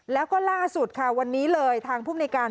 แล้วก็ล่าสุดค่ะวันนี้เลยทางภูมิในการ